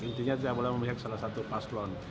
intinya tidak boleh memihak salah satu paslon